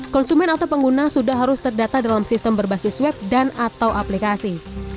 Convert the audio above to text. konsumen atau pengguna sudah harus terdata dalam sistem berbasis web dan atau aplikasi